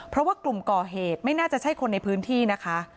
เพราะว่ากลุ่มก่อเหตุไม่น่าจะใช่คนในพื้นที่นะคะ